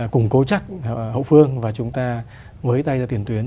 cùng cố chắc hỗ phương và chúng ta mới tay ra tiền tuyến